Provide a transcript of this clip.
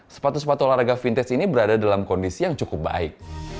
sepatu sepatu olahraga vintage ini berada dalam kondisi yang cukup baik